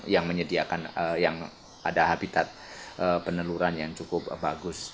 yang menyediakan habitat peneluran yang cukup bagus